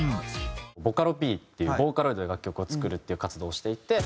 ボカロＰっていうボーカロイドで楽曲を作るっていう活動をしていて。